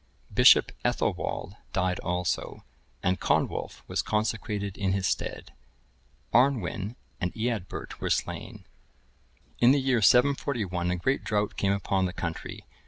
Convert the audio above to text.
Bishop Ethelwald died also, and Conwulf,(1067) was consecrated in his stead. Arnwin(1068) and Eadbert(1069) were slain. In the year 741, a great drought came upon the country.